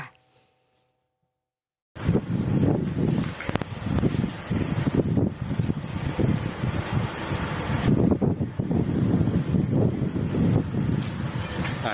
อาทิตย์